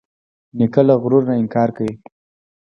نیکه له غرور نه انکار کوي.